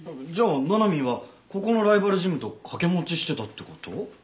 じゃあななみーはここのライバルジムとかけ持ちしてたって事？